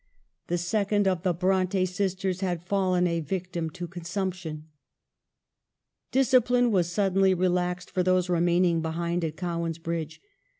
The second of the Bronte sisters had fallen a victim to consumption. Discipline was suddenly relaxed for those remaining behind at Cowan's Bridge.